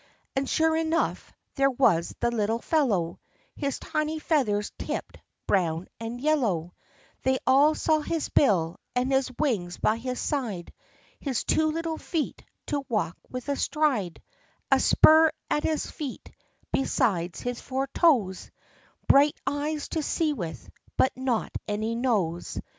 And, sure enough, there was the little fellow — His tiny feathers tipped brown and yellow; They all saw his bill, and his wings by his side, His two little feet to walk with a stride, A spur at his feet, besides his four toes, Bright eyes to see with, but not any nose.